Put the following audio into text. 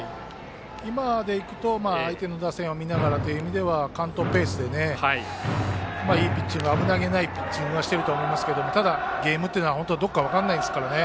今でいくと、相手打線を見ながらという意味では完投ペースで、いいピッチング危なげないピッチングはしていると思いますがただ、ゲームはどうなるか分からないですからね。